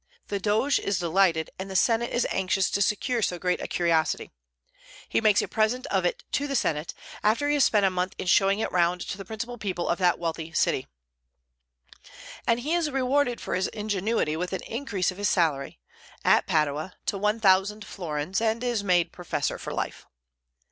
The Doge is delighted, and the Senate is anxious to secure so great a curiosity. He makes a present of it to the Senate, after he has spent a month in showing it round to the principal people of that wealthy city; and he is rewarded for his ingenuity with an increase of his salary, at Padua, to one thousand florins, and is made professor for life.